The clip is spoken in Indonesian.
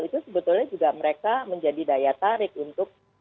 itu sebetulnya juga mereka menjadi daya tarik untuk